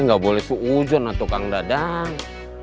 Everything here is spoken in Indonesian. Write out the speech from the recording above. nggak boleh pujon tukang dadang